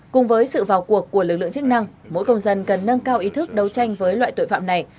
cùng với sự vào cuộc của lực lượng chức năng mỗi công dân cần nâng cao ý thức đấu tranh với loại tội phạm này